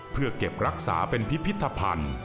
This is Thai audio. เพื่อเก็บรักษาเป็นพิพิธภัณฑ์